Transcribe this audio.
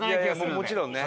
もちろんね。